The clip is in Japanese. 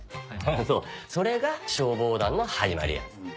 そうそれが消防団の始まりや。